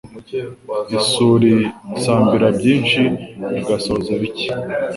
Isuli isambira byinshi igasohoza bike